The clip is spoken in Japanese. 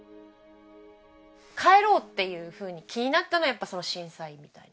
帰ろうっていうふうに気になったのはやっぱその震災みたいな。